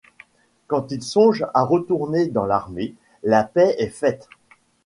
Quand il songe à retourner dans l'armée, la paix est faite.